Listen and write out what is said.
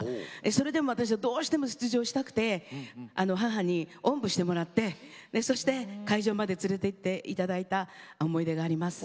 それでも私はどうしても出場したくて母に、おんぶしてもらってそして会場まで連れて行っていただいた思い出があります。